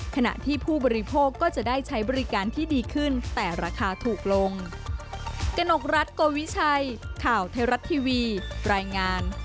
ขณะที่ผู้บริโภคก็จะได้ใช้บริการที่ดีขึ้นแต่ราคาถูกลง